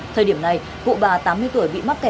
thời điểm này cụ bà tám mươi tuổi bị mắc kẹt